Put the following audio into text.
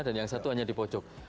dan yang satu hanya di pocok